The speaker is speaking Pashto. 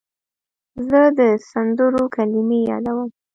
زه د سندرو کلمې یادوم.